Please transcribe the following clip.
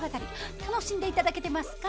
楽しんで頂けてますか？